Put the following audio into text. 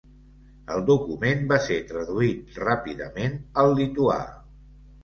El document va ser traduït ràpidament al lituà.